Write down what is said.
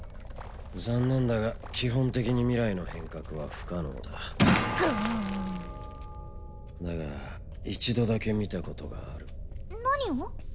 残念だが基本的に未来の変革は不可能だガーンだが一度だけ見たことがある何を？